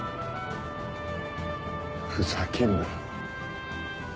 ふざけんな。